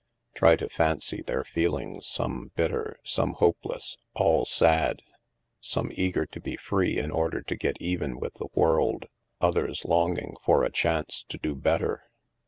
Try to fancy their feelings, some bitter, some hopeless, all sad ; some eager to be free in order to get even with the world ; others longing for a chance to do better.